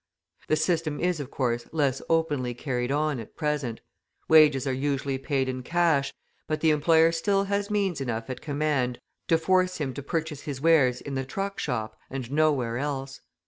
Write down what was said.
The system is, of course, less openly carried on at present; wages are usually paid in cash, but the employer still has means enough at command to force him to purchase his wares in the truck shop and nowhere else.